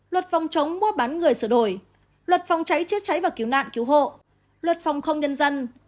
luật phòng chống mua bán người sửa đổi luật phòng cháy chữa cháy và cứu nạn cứu hộ luật phòng không nhân dân